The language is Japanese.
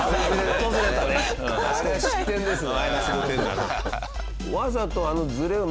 あれは失点ですね。